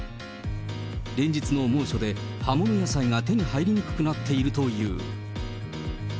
連日の猛暑で葉物野菜が手に入りにくくなっているという。